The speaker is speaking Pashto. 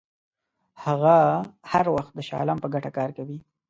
هغه هر وخت د شاه عالم په ګټه کار کوي.